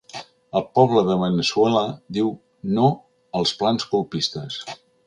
El poble de Veneçuela diu no als plans colpistes.